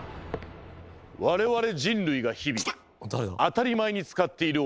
我々人類が日々当たり前に使っている親指。